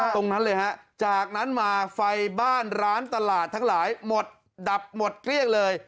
ตรงนั้นเลยฮะจากนั้นมาไฟบ้านร้านตลาดทั้งหลายหมดดับหมดเกลี้ยงเลย